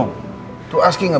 untuk bertanya tentang